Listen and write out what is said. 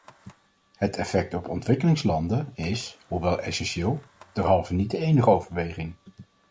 Het effect op ontwikkelingslanden is, hoewel essentieel, derhalve niet de enige overweging.